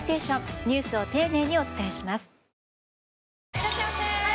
いらっしゃいませ！